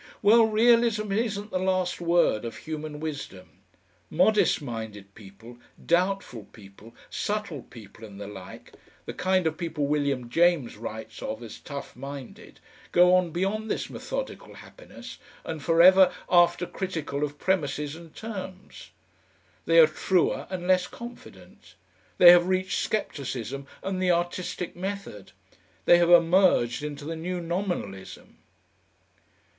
Well, Realism isn't the last word of human wisdom. Modest minded people, doubtful people, subtle people, and the like the kind of people William James writes of as "tough minded," go on beyond this methodical happiness, and are forever after critical of premises and terms. They are truer and less confident. They have reached scepticism and the artistic method. They have emerged into the new Nominalism.